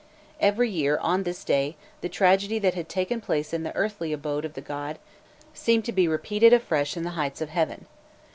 Every year, on this day, the tragedy that had taken place in the earthly abode of the god seemed to be repeated afresh in the heights of heaven.